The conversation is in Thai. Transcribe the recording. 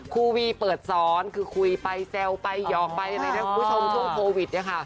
คูวีเปิดสอนคือคุยไปแซวไปหยอกไปในช่วงโควิดเนี่ยค่ะ